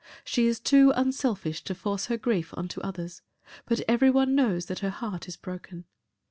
She is too unselfish to force her grief on to others, but every one knows that her heart is broken.